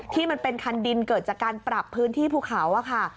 ที่มันเป็นคันดินเกิดจากการปรับพื้นที่ภูเขาอะค่ะ